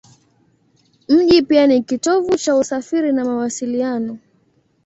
Mji ni pia kitovu cha usafiri na mawasiliano.